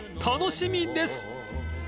［楽しみです］